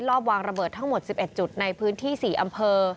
รอบวางระเบิดทั้งหมด๑๑จุดในพื้นที่๔อำเภอ